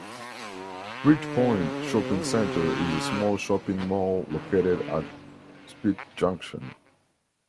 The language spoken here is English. Bridgepoint Shopping Centre is a small shopping mall located at Spit Junction.